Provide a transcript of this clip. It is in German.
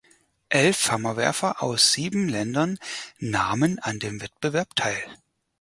Elf Hammerwerfer aus sieben Ländern nahmen an dem Wettbewerb teil.